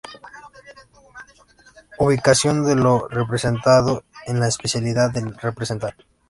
Ubicación de lo representado en la espacialidad del representar.